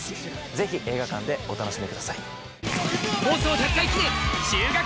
ぜひ映画館でお楽しみください。